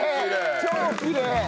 超きれい！